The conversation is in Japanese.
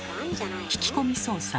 聞き込み捜査。